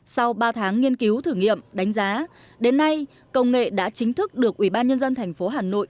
sau ba tháng nghiên cứu thử nghiệm đánh giá đến nay công nghệ đã chính thức được ủy ban nhân dân thành phố hà nội